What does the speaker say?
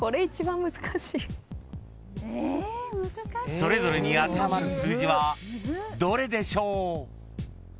［それぞれに当てはまる数字はどれでしょう？］